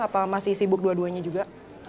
apa masih sibuk dua duanya juga